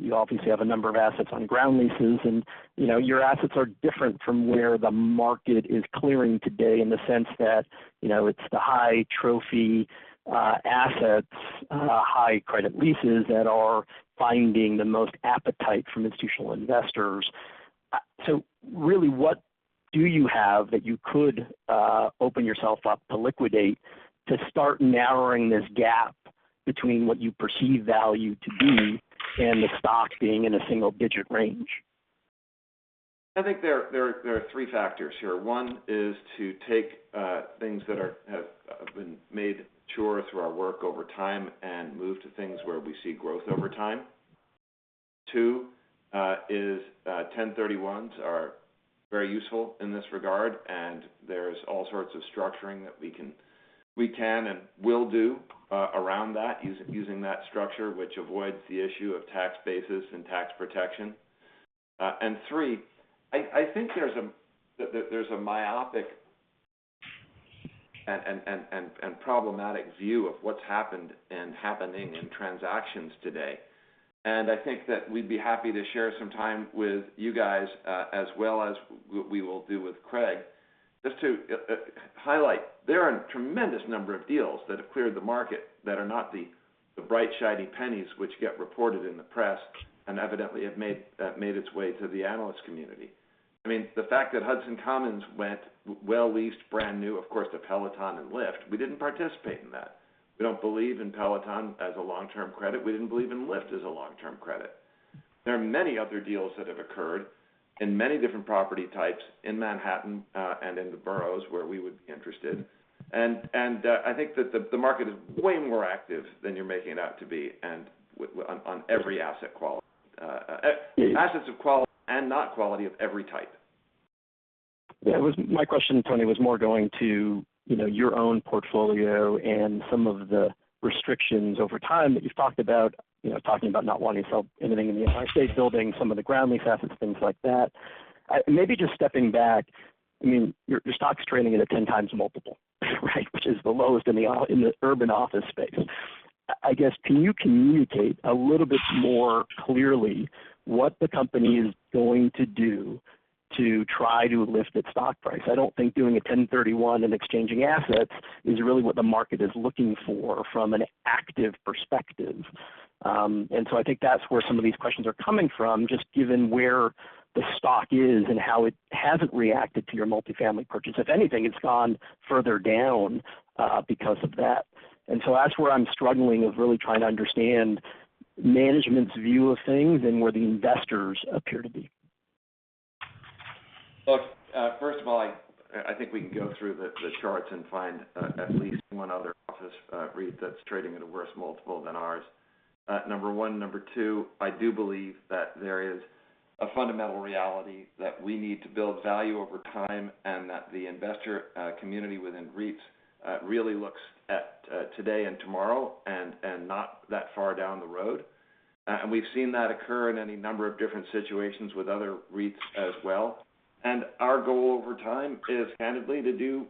You obviously have a number of assets on ground leases and, you know, your assets are different from where the market is clearing today in the sense that, you know, it's the high trophy assets, high credit leases that are finding the most appetite from institutional investors. Really, what do you have that you could open yourself up to liquidate to start narrowing this gap between what you perceive value to be and the stock being in a single-digit range?
I think there are three factors here. One is to take things that have been made sure through our work over time and move to things where we see growth over time. Two is 1031 exchanges are very useful in this regard, and there's all sorts of structuring that we can and will do around that, using that structure, which avoids the issue of tax basis and tax protection. Three, I think there's a myopic and problematic view of what's happened and happening in transactions today. I think that we'd be happy to share some time with you guys, as well as we will do with Craig, just to highlight that there are a tremendous number of deals that have cleared the market that are not the bright, shiny pennies, which get reported in the press and evidently have made its way to the analyst community. I mean, the fact that Hudson Commons went well leased, brand new, of course, to Peloton and Lyft, we didn't participate in that. We don't believe in Peloton as a long-term credit. We didn't believe in Lyft as a long-term credit. There are many other deals that have occurred in many different property types in Manhattan and in the boroughs where we would be interested. I think that the market is way more active than you're making it out to be on every asset quality.
Yeah.
Assets of quality and not quantity of every type.
My question, Tony, was more going to, you know, your own portfolio and some of the restrictions over time that you've talked about, you know, talking about not wanting to sell anything in the Empire State Building, some of the ground lease assets, things like that. Maybe just stepping back, I mean, your stock's trading at a 10x multiple, right? Which is the lowest in the urban office space. I guess, can you communicate a little bit more clearly what the company is going to do to try to lift its stock price? I don't think doing a 1031 and exchanging assets is really what the market is looking for from an active perspective. I think that's where some of these questions are coming from, just given where the stock is and how it hasn't reacted to your multifamily purchase. If anything, it's gone further down, because of that. That's where I'm struggling of really trying to understand management's view of things and where the investors appear to be.
Look, first of all, I think we can go through the charts and find at least one other office REIT that's trading at a worse multiple than ours. Number one. Number two, I do believe that there is a fundamental reality that we need to build value over time, and that the investor community within REITs really looks at today and tomorrow and not that far down the road. We've seen that occur in any number of different situations with other REITs as well. Our goal over time is candidly to do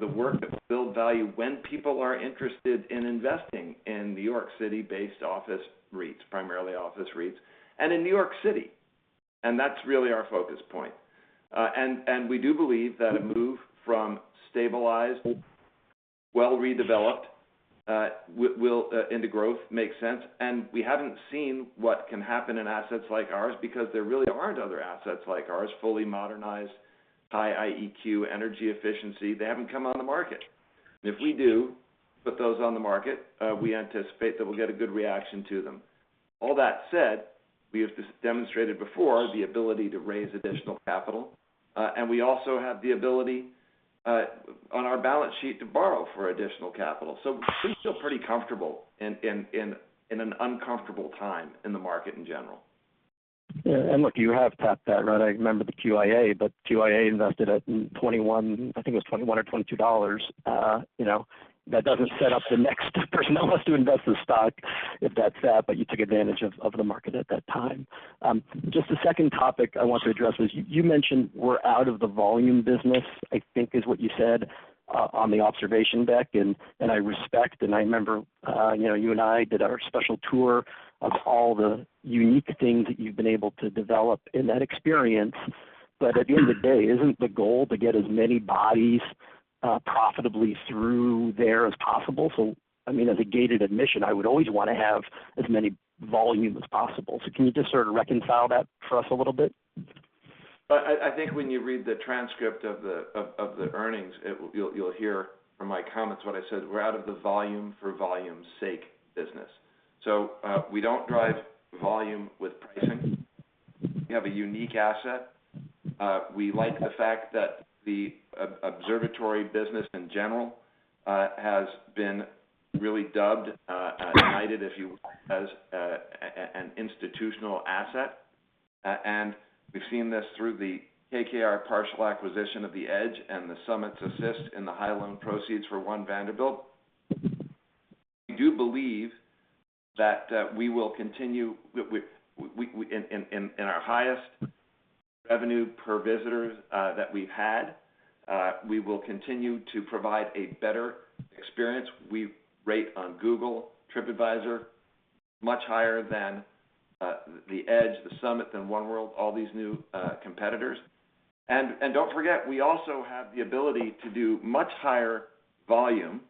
the work that will build value when people are interested in investing in New York City-based office REITs, primarily office REITs, and in New York City. That's really our focus point. We do believe that a move from stabilized, well redeveloped, will into growth makes sense, and we haven't seen what can happen in assets like ours because there really aren't other assets like ours, fully modernized, high IEQ energy efficiency. They haven't come on the market. If we do put those on the market, we anticipate that we'll get a good reaction to them. All that said, we have just demonstrated before the ability to raise additional capital, and we also have the ability, on our balance sheet to borrow for additional capital. We feel pretty comfortable in an uncomfortable time in the market in general.
Yeah. Look, you have tapped that, right? I remember the QIA, but QIA invested at $21... I think it was $21 or $22. You know, that doesn't set up the next person who wants to invest in stock if that's that, but you took advantage of the market at that time. Just the second topic I want to address is you mentioned we're out of the volume business, I think is what you said, on the observation deck, and I respect and I remember, you know, you and I did our special tour of all the unique things that you've been able to develop in that experience. At the end of the day, isn't the goal to get as many bodies profitably through there as possible? I mean, as a gated admission, I would always wanna have as many volume as possible. Can you just sort of reconcile that for us a little bit?
I think when you read the transcript of the earnings, you'll hear from my comments what I said, we're out of the volume for volume sake business. We don't drive volume with pricing. We have a unique asset. We like the fact that the observatory business in general has been really dubbed united, if you will, as an institutional asset. We've seen this through the KKR partial acquisition of The Edge and the Summit's assist in the high loan proceeds for One Vanderbilt. We do believe that we will continue in our highest revenue per visitors that we've had, we will continue to provide a better experience. We rate on Google, tripadvisor much higher than The Edge, the Summit, and One World, all these new competitors. Don't forget, we also have the ability to do much higher volume,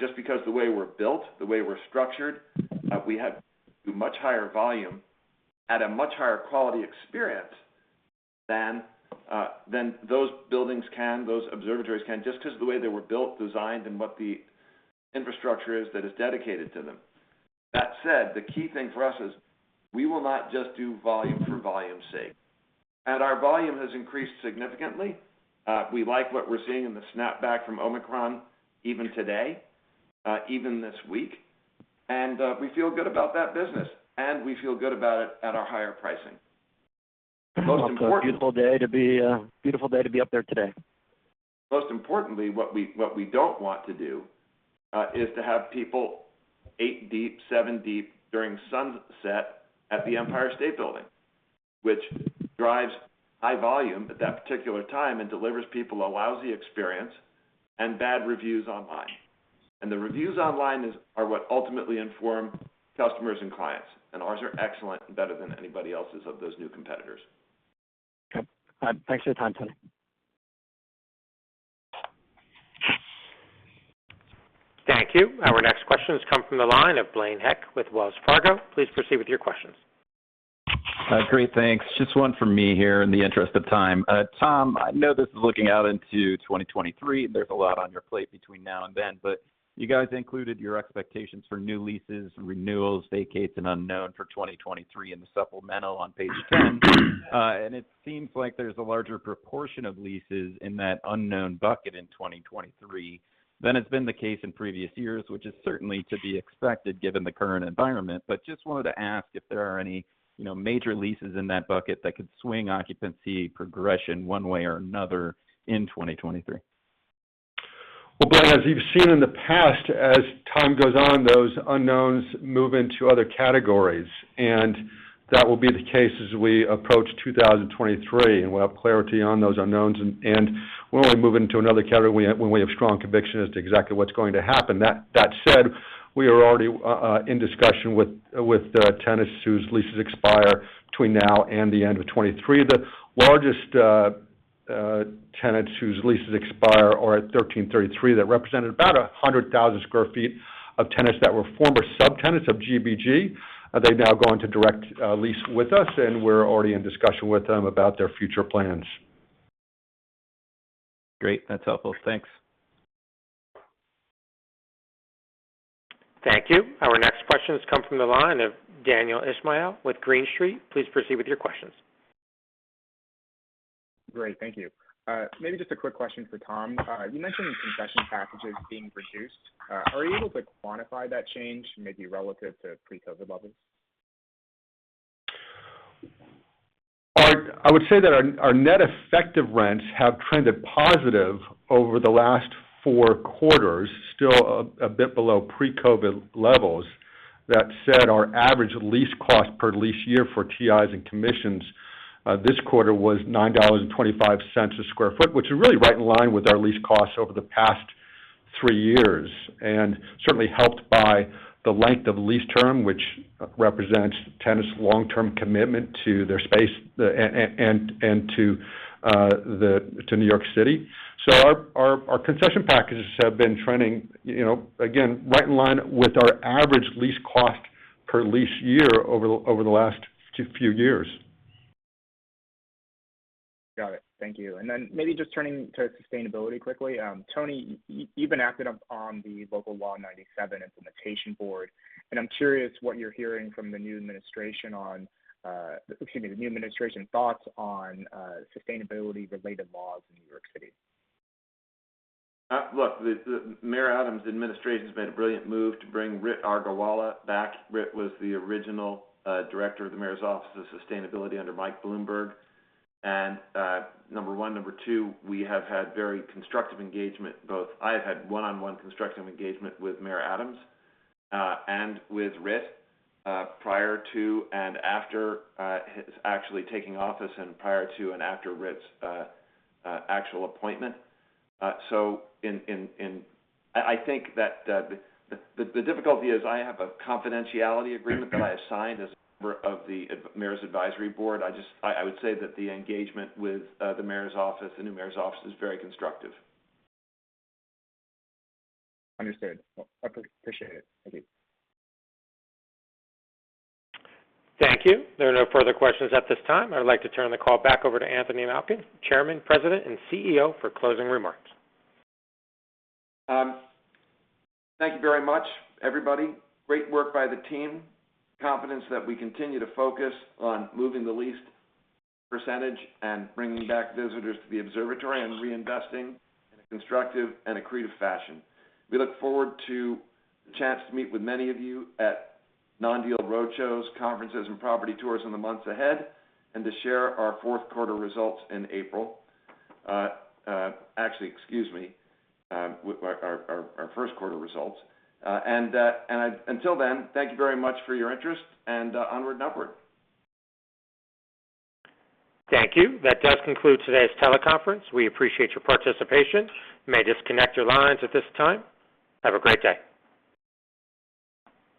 just because the way we're built, the way we're structured, we have much higher volume at a much higher quality experience than those buildings can, those observatories can, just 'cause the way they were built, designed, and what the infrastructure is that is dedicated to them. That said, the key thing for us is we will not just do volume for volume's sake. Our volume has increased significantly. We like what we're seeing in the snapback from Omicron even today, even this week, and we feel good about that business, and we feel good about it at our higher pricing.
Most important- Beautiful day to be up there today.
Most importantly, what we don't want to do is to have people eight deep, seven deep during sunset at the Empire State Building, which drives high volume at that particular time and delivers people a lousy experience and bad reviews online. The reviews online are what ultimately inform customers and clients, and ours are excellent and better than anybody else's of those new competitors.
Okay. Thanks for your time, Tony.
Thank you. Our next question has come from the line of Blaine Heck with Wells Fargo, please proceed with your questions.
Great. Thanks. Just one for me here in the interest of time. Tom, I know this is looking out into 2023, and there's a lot on your plate between now and then, but you guys included your expectations for new leases, renewals, vacates, and unknown for 2023 in the supplemental on page 10. It seems like there's a larger proportion of leases in that unknown bucket in 2023 than has been the case in previous years, which is certainly to be expected given the current environment. Just wanted to ask if there are any, you know, major leases in that bucket that could swing occupancy progression one way or another in 2023.
Well, Blaine, as you've seen in the past, as time goes on, those unknowns move into other categories. That will be the case as we approach 2023, and we'll have clarity on those unknowns. We'll only move into another category when we have strong conviction as to exactly what's going to happen. That said, we are already in discussion with tenants whose leases expire between now and the end of 2023. The largest tenants whose leases expire are at 1333. That represented about 100,000 sq ft of tenants that were former subtenants of GBG. They're now going to direct lease with us, and we're already in discussion with them about their future plans.
Great. That's helpful. Thanks.
Thank you. Our next question has come from the line of Daniel Ismail with Green Street, please proceed with your questions.
Great. Thank you. Maybe just a quick question for Tom. You mentioned concession packages being reduced. Are you able to quantify that change, maybe relative to pre-COVID levels?
I would say that our net effective rents have trended positive over the last four quarters, still a bit below pre-COVID levels. That said, our average lease cost per lease year for TIs and commissions this quarter was $9.25 a sq ft, which is really right in line with our lease costs over the past three years. Certainly helped by the length of lease term, which represents tenants' long-term commitment to their space and to New York City. Our concession packages have been trending, you know, again, right in line with our average lease cost per lease year over the last few years.
Got it. Thank you. Maybe just turning to sustainability quickly. Tony, you've been active on the Local Law 97 implementation board, and I'm curious what you're hearing from the new administration thoughts on sustainability related laws in New York City.
Look, the Mayor Adams administration has made a brilliant move to bring Rit Aggarwal back. Rit was the original director of the Mayor's Office of Sustainability under Mike Bloomberg. Number one. Number two, we have had very constructive engagement. I have had one-on-one constructive engagement with Mayor Adams and with Rit prior to and after his actual taking office and prior to and after Rit's actual appointment. I think that the difficulty is I have a confidentiality agreement that I signed as a member of the mayor's advisory board. I would say that the engagement with the mayor's office, the new mayor's office is very constructive.
Understood. Well, I appreciate it. Thank you.
Thank you. There are no further questions at this time. I'd like to turn the call back over to Anthony Malkin, Chairman, President, and Chief Executive Officer, for closing remarks.
Thank you very much, everybody. Great work by the team. Confidence that we continue to focus on moving the lease percentage and bringing back visitors to the observatory and reinvesting in a constructive and accretive fashion. We look forward to the chance to meet with many of you at non-deal roadshows, conferences, and property tours in the months ahead, and to share our fourth quarter results in April. Actually, excuse me, with our first quarter results. Until then, thank you very much for your interest, and onward and upward.
Thank you. That does conclude today's teleconference. We appreciate your participation. You may disconnect your lines at this time. Have a great day.